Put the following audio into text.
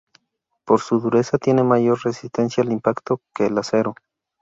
Por su dureza tiene mayor resistencia al impacto que el acero.